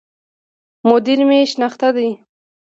مدير مي شناخته دی